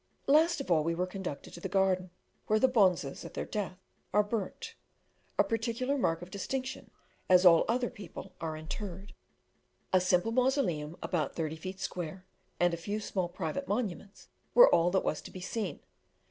Last of all, we were conducted to the garden, where the bonzes, at their death, are burnt a particular mark of distinction, as all other people are interred. A simple mausoleum, about thirty feet square, and a few small private monuments, were all that was to be seen.